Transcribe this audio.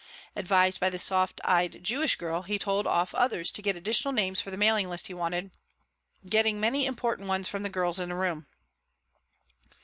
Advised by the soft eyed Jewish girl, he told off others to get additional names for the mailing list he wanted, getting many important ones from girls in the room.